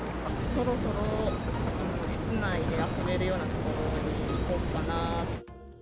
そろそろ室内で遊べるような所に行こうかな。